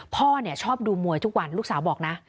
พ่อชอบดูมวยทุกวันลูกสาวบอกนะ